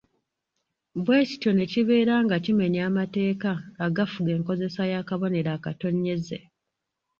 Bwe kityo ne kibeera nga kimenya amateeka agafuga enkozesa y’akabonero akatonnyeze.